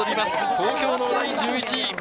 東京農大、１１位。